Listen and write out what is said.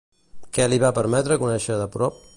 Què li va permetre conèixer de prop?